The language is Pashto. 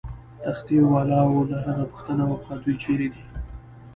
تختې والاو له هغه پوښتنه وکړه: دوی چیرې دي؟